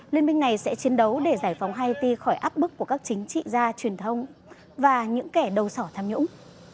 liên minh này sẽ chiến đấu để giải phóng haiti khỏi áp bức của các chính trị gia truyền thông và những kẻ đầu sỏ tham nhũng